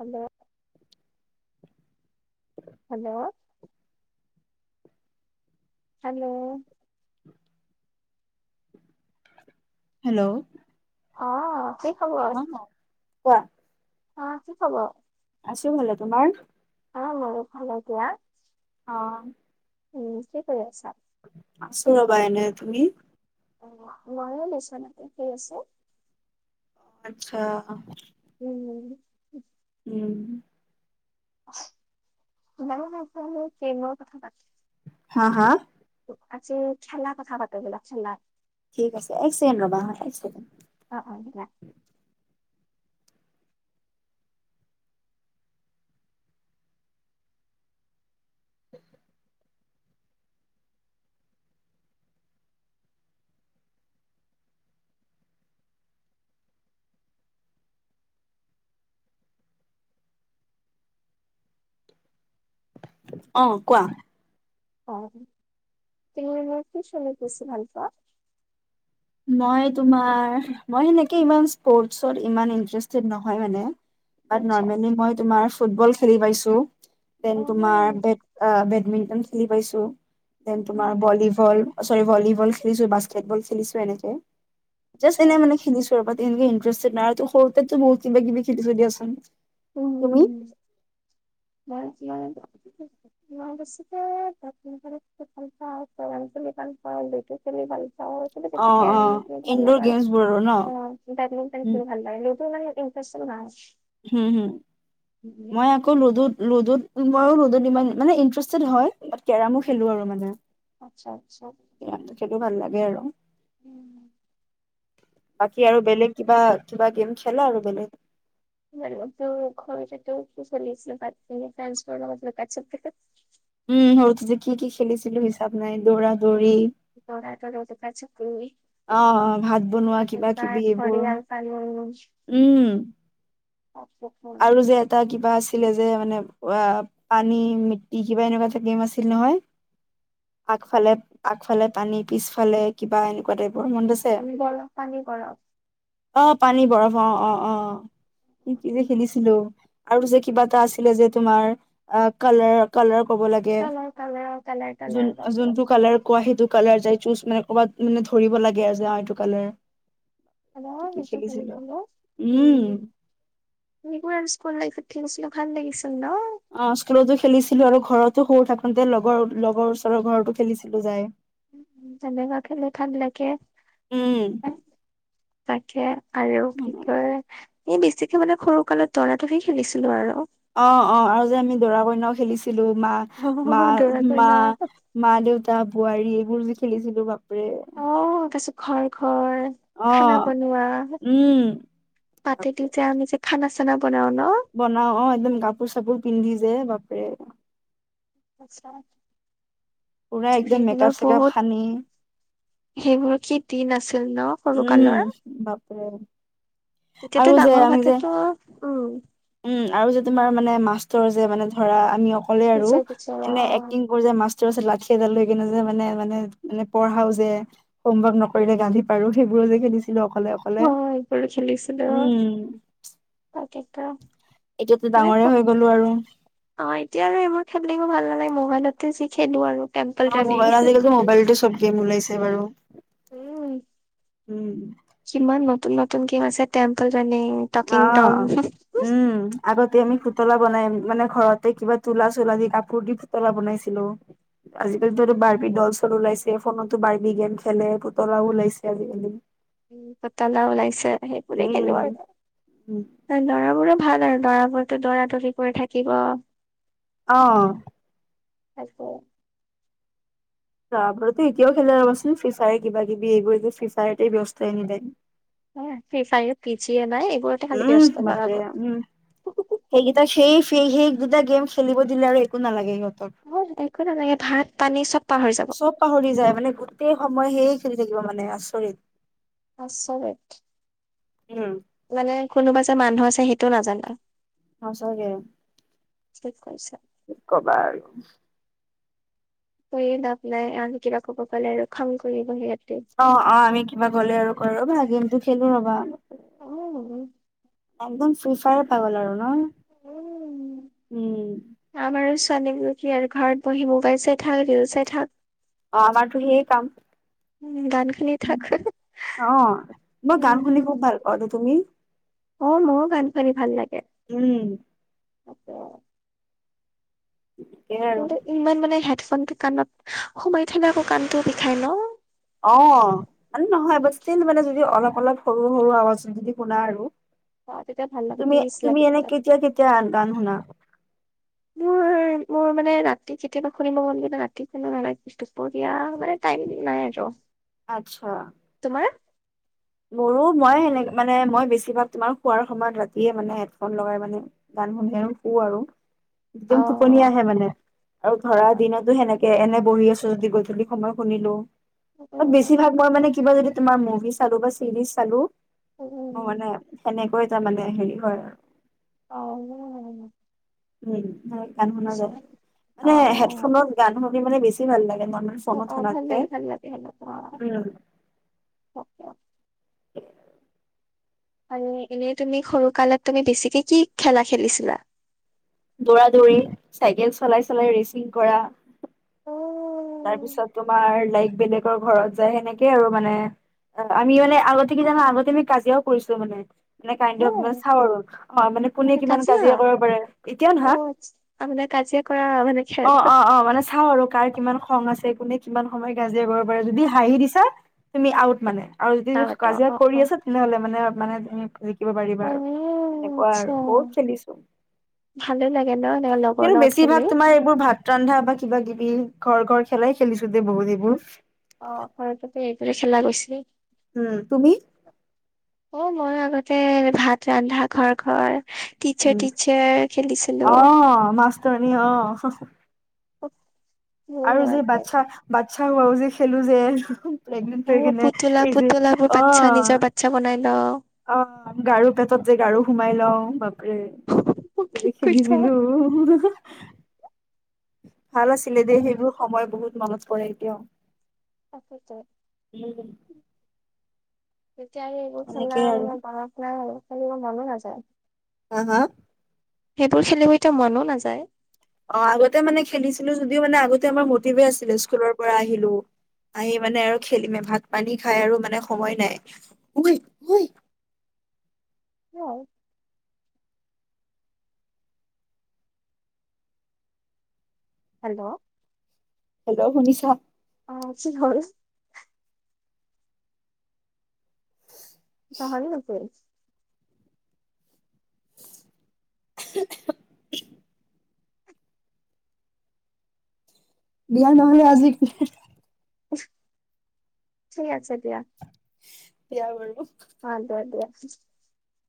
হৱ। Hello hello! Hello অ' কি খবৰ? অ কোৱা আ' কি খবৰ? আছো ভালে তোমাৰ? অ' মোৰ ভালকীয়া। অ' উম কি কৰি আছা? আছৰবা এনে তুমি? মইও বিচনাতে শুই আছো। আতচ্ছা। উম' উম'। [inaudible] কি নো কথা পাতিম। হা হা আজি খেলা কথা পাটো বলা খেলা ঠিক আছে, এক ছেকেণ্ড ৰবা হা, এক ছেকেণ্ড। অ অ দিয়া [inaudible] অ' কোৱা? অ' তুমি মানে কি চেনিট বেছি ভাল পোৱা? মই তোমাৰ মই হেনেক ইচপৰটচ ইমান ইনষ্টাৰেচেটটে নহয় মানে। আচ্ছা [unintelligible] তোমাৰ ফুটবল খেলি পাইছো, দেন অ তোমাৰ বেট-বেট বেডমিন্টন খেলি পাইছো। দেন তোমাৰ উম ভলীবল চৰি ভলীবল খেলিছো, বাস্কেটবল খেলিছো। যেনে কৰে যাচষ্ট এনে মানে যোৱা দেই [inaudible] [unintelligible] সৰুটে টো বহুত কিবা কিবি খেলী ছো দীয়া ছোন তুমি? [inaudible] [unintelligible] বেটমিন্তন খেলি ভাল পায় অ অ ন? ইনডোৰ গেমছ মোৰ বোৰৰো ন? মানে উম ইন্ত্ৰেচন নাই। হম হম, মই আকৌ লুডুত লুডুত মইয়ো লুডুত ইমান মানে ইন্টাৰেষ্টেড হয়। বাত কেৰামো খেলো আৰু মানে আচ্ছা আচ্ছা কেৰম খেলো ভাল লাগে আৰু। উম। বাকী আৰু বেলেগ কিবা-কিবা গেম খেলা আৰু বেলেগ? [unintelligible] উম, সৰুতে যে কি কি খেলিছিলো হিচাপ নাই দৌৰা-দৌৰ তৰা [unintelligible] আহ, ভাত বনোৱা কিবা-কিবি এইবোৰ, ঘৰিয়াল পালোঁ উম। বৰফ আৰু যে এটা কিবা আছ ছিলে যে মানে অ' পানী, মিট্টি কিবা এনেকুৱা এটা গেম আছিল নহয়। আগফালে-আগফালে পানী পিছফালে কিবা এনেকুৱা টাইপ। তুমি বৰফ পানি কৰা। অ' পানী বৰফ, অ' অ' অ' কি কি যে। শুনিছিলো আৰু যে কিবা এটা আছিলে যে তোমাৰ অ, কালাৰ-কালাৰ ল কালাৰ কালাৰ কালাৰ কালাৰ বাপৰে যোনটো কালাৰ কোৱা সেইটো কালাৰ য চুজ মানে কৰ'ৰবাত মানে ধৰিব লাগে আৰু অ এইটো কালাৰ। [unintelligible] কি মজ কি খেলিছিলো চালছিলিলো উম, পোৰা স্কুল লাইফত থঠিক আছিলো ভাল লাগিছিল ন। অ, স্কুলতো খেলিছিলো আৰু ঘৰতো সৰু থাকোতে লগৰ-লগৰ ওচৰৰ ঘৰতো খেলিছিলো যাই। তেনেকুৱা খেলি ভাল লাগে। উম তাকে আৰু কি কয় এই বেছিকে মানে সৰু কালত টৰ্না টফি খেলিছিলো আৰু অ', অ', আৰু যে আমি দৰা কইনাও খেলিছো ছিলো দৌৰা কইনা মা-মা-মা-মা, দেউতা, বোৱাৰী এইবোৰ যে খেলিছিলো বাপৰে। অ, তাৰপিছত ঘৰ-ঘৰ হয় অ খানা বনোৱা উম বাপৰে। মাতেতিদি যে আমি যে খানা বনাওঁ ন। বনাও অ একদম কাপোৰ চাপোৰ পিন্ধি যে বাপৰে। আচ্চা। পুৰা একদম মেকআপ সেইবোৰৰ চেকআপ বহুত সানি সেইবোৰ কি দিন আছিল ন। সৰু উম, কালৰ বাপৰে। এতিয়াতো আৰু যে ডাঙৰ আমি যে হোৱাতেতো উম উম, আৰু আৰু যে তোমাৰ মানে মাষ্টৰ যে ধৰা আমি অকলে আৰু পিছে পিছে এনে অ এক্টিংবোৰ যে মাছ পিছত লাঠি এডাল লৈ কিনে যে মানে-মানে-মানে পঢ়াও যে হোমৱৰ্ক নকৰিলে গালি পাৰো সেইবোৰ যে খেলিছিলো অকলে-অকলে হয় এইবোৰো খেলিছিলো উম, ত এতিয়াতো মানে ডাঙৰে হৈ গলো আৰু অ এতিয়া আৰু এইবোৰ খেলিলও ভাল নালাগে মোবাইলতে। খেলো আৰু টেম্পল অ ৰানিং মোবাইল আজিকালো মোবাইলতো চব গেম ওলাইছে বাৰু উ উম কিমান নতুন নতুন গম আছে টেম্পল ৰানিং টকিং অ টম উম আগতে আমি সুতলা বনাইম মানে ঘৰতে কিবা তোলা চোুলা দি কাপোৰ দি পুতলা বনাইছিলো আজিকালিতো বাৰিবি ডলছৰ ওলাইছে ফোনতো বাৰিবি গেম খেলে পুতলাও ওলাইছে আজিকালি। উ পতালা ওলাইছে সেইবোৰে খেলো উম, আৰু লৰাবোৰ ভাল আৰু দৰাবোৰতো দৰা দৰি কৰি থাকিব অ টাকে তাৰপতো এতিয়াও খেলা ৰবাচোন ফিচাৰে কিবা কিবি এইবোৰ যে ফিচাৰতে ব্যৱস্থাই এনিটাইম। ফিফাহত পি জি নাই। এইবোৰতে খালি উম ব্যস্ত মাপ ল'ৰাবোৰ উম হেগ সেই সেই ফিৰহে দুটা গেম খেলিব দিলে আৰু একো নালাগে। মোৰ একো নালাগে ভাত পানী চব পাহৰি যাব চব পাহৰি যায় মানে গোটেই সময় সেই শুই থাকিব মানে আচৰিত। আচৰিত উম, মানে কোনোবা যে মানুহ আছে। সেইটো নাজানা সচাগে ঠিক কৈছা কি কবাৰ। কৰিয়ে লাভ নাই আৰু কিবা ক'ব পালে আৰু খং কৰিবহি। অ, অ, আমি কিবা গ'লে আৰু কৰৰ ভাগিনটো গেমটো খেলো ৰবা। উম উ একদম ফ্ৰী ফায়াৰ পাাগল আৰু উম। নহ উম। আমাৰ কি আৰু ঘৰত বহি মোবাইল চাই থাক ৰীল চাই থাক। অ আমাৰতো হেই কাম। উম গান শুনি থাক অ মই গান শুনি উম খুব ভাল পাওঁ দে তুমি। অ ময়ো গান শনি ভাল লাগে। উম তাকেই আৰু কিন্তু ইমান মানে হেডফোনটো কাণত সোমাই থলে আকৌ কাণটো বিষাই ন। অ মানে নহয় ব মানে যদি অলপ অলপ সৰু সৰু আৱাজ যদি শুনা আৰু। অ তেতিয়া ভাল লাগে তুমি পিচ লাগে তুমি এনে তাত। কেতিয়া কেতিয়া গান শুনা। উম। মোৰ মানে ৰাতি কেতিয়াবা শুনিব মন। কিন্তু ৰাতি কোনো নালাগে দুপৰীয়া মানে টাইম নাই আৰু। আচ্ছা হা মোৰো মই সেনে মানে মই বেছিভাগ তোমাৰ খোৱাৰ সময়ত ৰাতিয়ে মানে হেডফোন লগাই মানে। গান শুনি শু আৰু অ একদম টোপনি আহে মানে আৰু ধৰা দিনতো সেনেকে। এনে বহি আছো যদি গধূলি সময় শুনিলো ত বেছিভাগ উম। মই মানে কিবা য তোমাৰ মুভি। চালো বা চিৰিজ চালো মোৰ উম। মানে সেনেকৈ তাৰ মানে হেৰি হয় আৰু। অ উম গান শুনা আচ্ছা যায় অ', মানে হেডফোনত গান শুনি মানে বেছি ভাল লাগে। মানুহে অ', ফোনত অ', ভাল শুনাতকে। লাগে ভাল লাগে সেনেকুৱা। অ'কে। [unintelligible] আৰু এনেই তুমি সৰু কালত তুমি বেছিকে কি খেলা খেলিছিলা। দৌৰা-দৌৰি, চাইকেল চলাই চলাই ৰেচিং কৰা। অ', তাৰ পিছত তোমাৰ লাইক বেলেগৰ ঘৰত যায় সেনেকে আৰু মানে। অ আমি মানে আগতে কি জানো আগতে আমি কাজিয়াও কৰিছো মানে। মানে হে কাইণ্ড মানে চাও আৰু অ মানে কোনে কিমান কাজিয়া কৰিব পাৰে এতিয়াও নহয়। আপোনাৰ কাজিয়া কৰা মানে অ খোলো। অ অ মানে চাওঁ আৰু কাৰ কিমান খং আছে কোনে কিমান সময় কাজিয়াৰ পৰা যদি হাঁহি দিছা তুমি আউট মানে। আৰু যদি অ', অ', কাজিয়া কৰি অ', আছে তেনেহ'লে মানে মানে। শিকিব পাৰিবা অ' আৰু একুৱা আৰু আচ্ছা বহুত খেলিছো। ভালে লাগে ন এনেকা লগৰ কিন্তু লগত বেছি খেলি ভাগ তোমাৰ এইবোৰ ভাগ। ৰন্ধা বা কিবা কিবি ঘৰ ঘৰ খেলাই খেলিছো দে বহুত এইবোৰ। অ ঘৰততে এইেইটোৰে খেলা গৈছিলি। উম তুমি তে ভাত ৰান্ধা ঘৰ ঘৰ। টিচাৰ উম টিচাৰ খেলিছিলো। অ মাষ্টৰনী অ অ আৰু যে বাচ্ছা বাচ্ছা হোৱাও যে খেলো যে। অ প্ৰেগ্নে কিনে পুতলা পুতলাবোৰ অ বাচ্ছা নিজৰ বাচ্ছা বনাই লও অ গাৰু পেটত যে গাৰু সোমাই লওঁ বাপৰে কি এ খে কৰিছা দিছিলো ভাল আছিলে দেই সেইবোৰ সময় বহুত মনত পৰে এতিয়াও আকিট উম তেতিয়া এইবোৰ খেলা এনেকেই আৰু মানে মনত নাই হ খেলিবোৰ মনো নাযায় হ হা সেইবোৰ খেলিব এতিয়া মনো নাযায়। অঁ আগতে মানে খেলিছিলো যদিও মানে আগতে আমাৰ মটিভে আছিলে স্কুলৰ পৰা আহিলো। আহি মানে আৰু খেলিমে ভাগ পানী খাই আৰু মানে সময় নাই। আহঁ। হেল্ল', হেল্ল ' শুনিছা? অঁ কি হয়? পাহৰিলি নেকি! [inaudible] বিয়া নহলে আজি। ঠিক আছে দিয়া। বিয়া বাৰু অ [unintelligible]